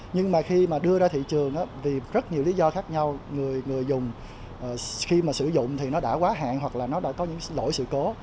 nhưng mà khi mà đưa ra thị trường vì rất nhiều lý do khác nhau người dùng khi mà sử dụng thì nó đã quá hạn hoặc là nó đã có những lỗi sự cố